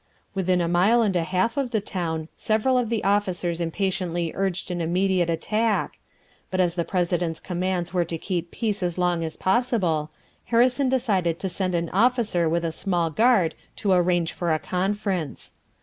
Within a mile and a half of the town several of the officers impatiently urged an immediate attack; but as the president's commands were to keep peace as long as possible, Harrison decided to send an officer with a small guard to arrange for a conference.